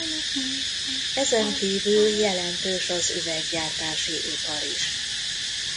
Ezen kívül jelentős az üveggyártási ipar is.